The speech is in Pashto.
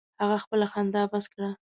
هغه خپله خندا بس کړه.